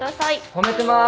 褒めてます。